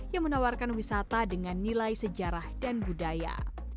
yang menawarkan wisata dengan nilai sejarah dan budaya